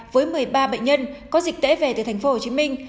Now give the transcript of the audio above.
với một mươi ba bệnh nhân có dịch tễ về từ thành phố hồ chí minh